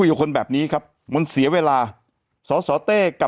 แต่หนูจะเอากับน้องเขามาแต่ว่า